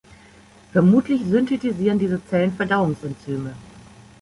Vermutlich synthetisieren diese Zellen Verdauungsenzyme.